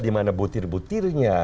di mana butir butirnya